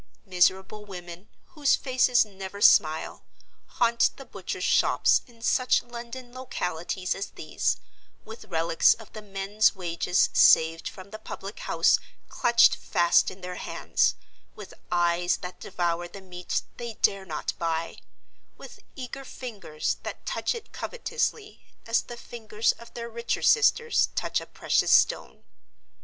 Miserable women, whose faces never smile, haunt the butchers' shops in such London localities as these, with relics of the men's wages saved from the public house clutched fast in their hands, with eyes that devour the meat they dare not buy, with eager fingers that touch it covetously, as the fingers of their richer sisters touch a precious stone.